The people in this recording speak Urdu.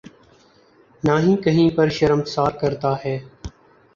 نہ ہی کہیں پر شرمسار کرتا ہے۔